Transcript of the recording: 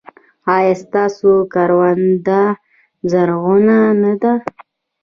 ایا ستاسو کرونده زرغونه ده؟